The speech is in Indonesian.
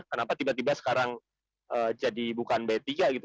kenapa tiba tiba sekarang jadi bukan b tiga gitu